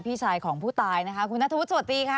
พี่ชายของผู้ตายนะคะคุณนัทธวุฒิสวัสดีค่ะ